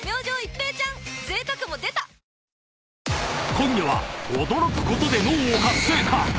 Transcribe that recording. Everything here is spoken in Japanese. ［今夜は驚くことで脳を活性化。